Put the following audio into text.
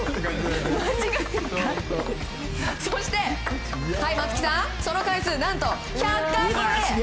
そして、松木さんその回数、何と１００回超え！